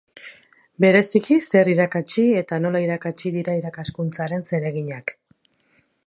Bereziki zer irakatsi eta nola irakatsi dira irakaskuntzaren zereginak.